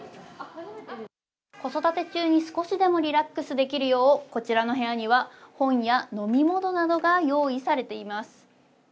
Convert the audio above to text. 子育て中に少しでもリラックスできるよう、こちらの部屋には、本や飲み物などが用意されています。